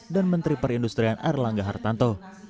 dan menteri perindustrian arlangga hartanto